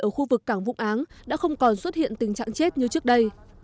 ở khu vực cảng vũng áng đã không còn xuất hiện tình trạng chết như trước đây